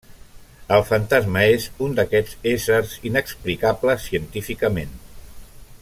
El fantasma és un d’aquests éssers inexplicables científicament.